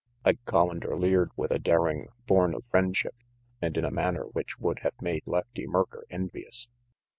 Ike Collander leered with a daring born of friend ship, and in a manner which would have made Lefty Merker envious.